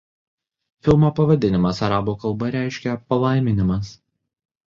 Filmo pavadinimas arabų kalba reiškia „palaiminimas“.